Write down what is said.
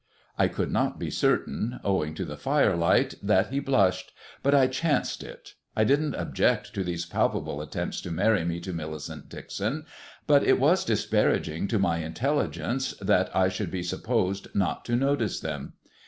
I could not be certain, owing to the firelight, that he blushed, but I chanced it. I didn't object to these palpable attempts to marry me to Millicent Dixon; but it was disparaging to my intelligence that I should be supposed not to notice them.